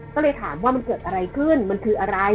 ก็เลยถามว่ามันเกิดอะไรขึ้นมันคืออะไร